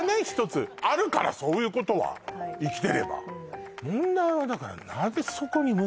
１つあるからそういうことは生きてれば問題はだからああ